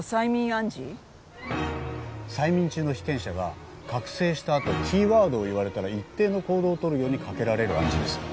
催眠中の被験者が覚醒したあとキーワードを言われたら一定の行動を取るようにかけられる暗示ですよ。